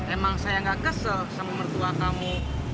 emang saya nggak kesel sama mertua kamu